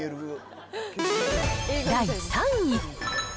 第３位。